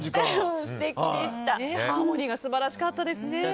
ハーモニー素晴らしかったですね。